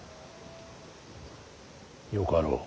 よかろう。